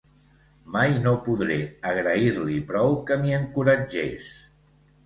Mai no podré agrair-li prou que m'hi encoratgés.